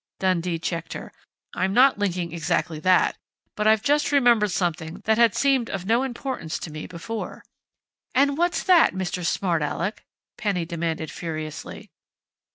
Dundee checked her. "I'm not linking exactly that. But I've just remembered something that had seemed of no importance to me before." "And what's that, Mr. Smart Aleck?" Penny demanded furiously.